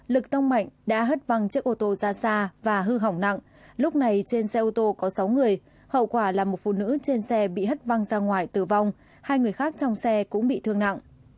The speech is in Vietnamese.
lực tông mạnh đã hất văng chiếc ô tô ra xa và hư hỏng nặng lúc này trên xe ô tô có sáu người hậu quả là một phụ nữ trên xe bị hất văng ra ngoài tử vong hai người khác trong xe cũng bị thương nặng